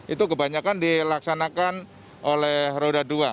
itu kebanyakan dilaksanakan oleh roda dua